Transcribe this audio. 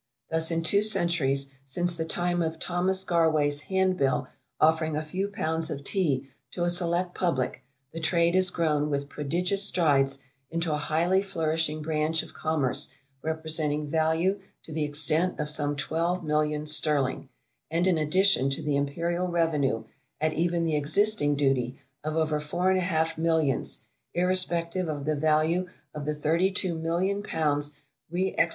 Thus in two centuries, since the time of Thomas Garway's handbill offering a few pounds of Tea to a select public, the trade has grown with prodigious strides into a highly flourishing branch of commerce representing value to the extent of some twelve millions sterling, and an addition to the imperial revenue at even the existing duty, of over four and a half millions, irrespective of the value of the thirty two million pounds re exported from our shores.